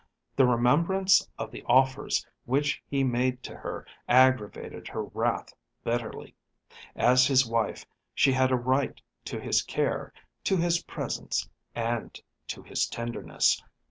The remembrance of the offers which he made to her aggravated her wrath bitterly. As his wife she had a right to his care, to his presence, and to his tenderness.